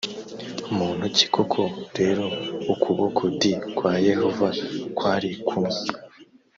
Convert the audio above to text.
muntu ki koko rero ukuboko d kwa yehova kwari kumwe